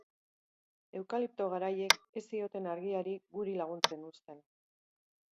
Eukalipto garaiek ez zioten argiari guri laguntzen uzten.